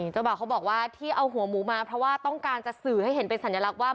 เจ้าบ่าวเขาบอกว่าที่เอาหัวหมูมาเพราะว่าต้องการจะสื่อให้เห็นเป็นสัญลักษณ์ว่า